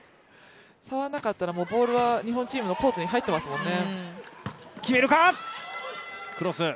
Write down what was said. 触らなかったらボールは日本チームのコートに入ってますもんね。